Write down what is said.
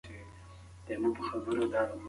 هغه د مرګ له نوم څخه وېره نه لري.